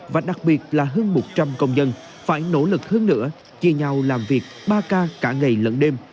và đặc biệt là hơn một trăm linh công dân phải nỗ lực hơn nữa chia nhau làm việc ba k cả ngày lẫn đêm